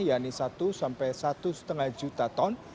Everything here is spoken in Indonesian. yaitu satu sampai satu lima juta ton